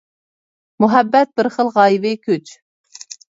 مۇھەببەت —— بىر خىل غايىۋى كۈچ.